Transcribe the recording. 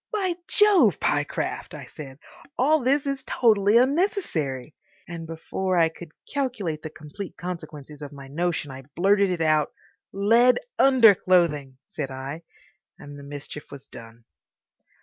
"By Jove, Pyecraft!" I said, "all this is totally unnecessary." And before I could calculate the complete consequences of my notion I blurted it out. "Lead underclothing," said I, and the mischief was done.